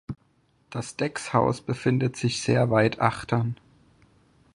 Das Deckshaus befindet sich sehr weit achtern.